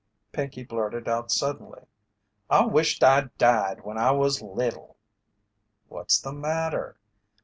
Pinkey blurted out suddenly: "I wisht I'd died when I was little!" "What's the matter?"